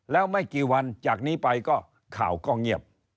แล้วไม่กี่วันจากนี้ไปก็ข่าวก็เงียบ